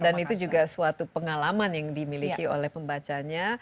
dan itu juga suatu pengalaman yang dimiliki oleh pembacanya